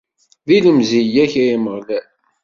Di lemzeyya-k, ay Ameɣlal.